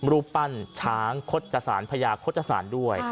รูปปั้นช้างคดตระสารสนับพญาคดตระสารด้วย